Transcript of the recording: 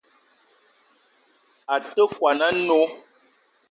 A te kwuan a-nnó